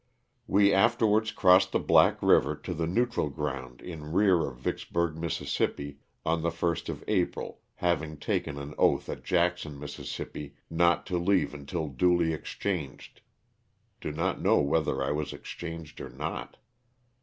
We afterwards crossed the Black river to the neutral ground in rear of Vicksburg, Miss., on the 1st of April, having taken an oath at Jackson, Miss., not to leave until duly exchanged (do not know whether 1 was exchanged or not).